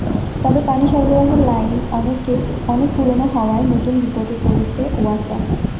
তবে পানি সরবরাহের লাইন অনেক পুরোনো হওয়ায় নতুন বিপদে পড়েছে ওয়াসা।